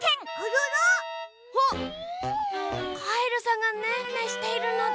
あっカエルさんがねんねしているのだ。